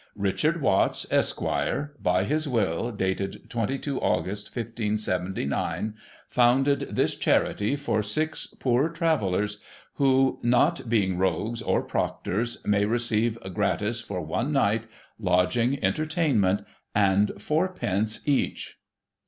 Richard Watts, Esq, by his Will, dated 22 Aug. 1579, founded this Charity for Six poor Travellers, who not being Rogues, or Proctors, May receive gratis for one Night, Lodging, Entertainment, and Fourpence each.